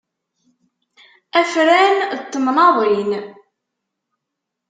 Afran n temnaḍin.